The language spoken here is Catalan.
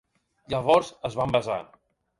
Llavors es van besar.